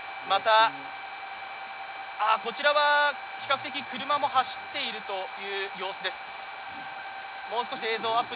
また、こちらは比較的車も走っているという様子です。